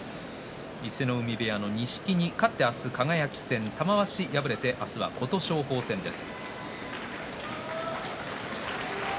伊勢ノ海部屋の錦木勝って明日は輝戦玉鷲は琴勝峰戦です。